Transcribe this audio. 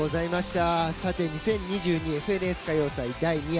さて「２０２２ＦＮＳ歌謡祭第２夜」